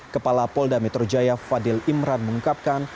kepala polda metro jaya fadil imran mengungkapkan